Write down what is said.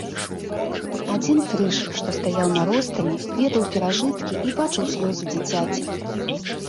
Адзін крыж, што стаяў на ростані, ведаў перажыткі і бачыў слёзы дзіцяці.